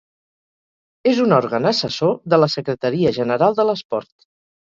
És un òrgan assessor de la Secretaria General de l’Esport.